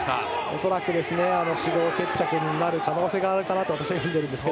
恐らく、指導決着になる可能性があるかなと私は思いますが。